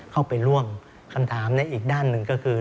เข้าไปร่วมคำถามในอีกด้านหนึ่งก็คือ